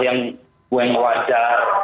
itu yang wajar